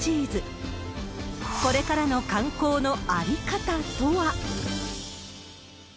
これからの観光の在り方とは。